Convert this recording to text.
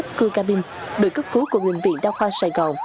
tại vì bệnh viện đa khoa sài gòn